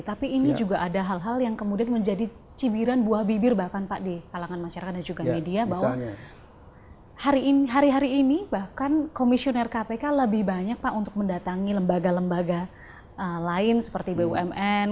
tapi ini juga ada hal hal yang kemudian menjadi cibiran buah bibir bahkan pak di kalangan masyarakat dan juga media bahwa hari hari ini bahkan komisioner kpk lebih banyak pak untuk mendatangi lembaga lembaga lain seperti bumn